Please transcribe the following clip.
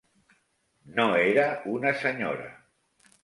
No era una senyora.